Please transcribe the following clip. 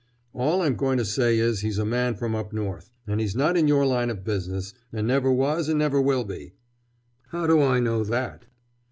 "All I'm going to say is he's a man from up North—and he's not in your line of business, and never was and never will be!" "How do I know that?"